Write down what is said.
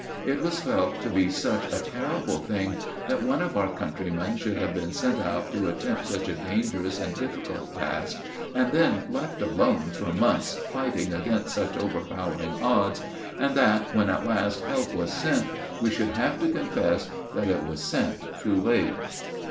It was felt to be such a terrible thing that one of our countrymen should have been sent out to attempt such a dangerous and difficult task, and then left alone for months fighting against such overpowering odds, and that, when at last help was sent, we should have to confess that it was sent 'too late.